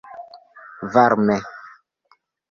varme